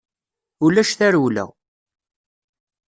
Ulac tarewla.